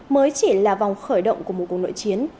mới chỉ là vòng khởi động của một cuộc nội chiến